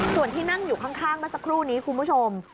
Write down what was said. ส่วนที่นั่งอยู่ข้างเมื่อสักครู่นี้คุณผู้ชม